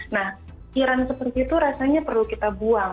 nah kira kira seperti itu rasanya perlu kita berpikirkan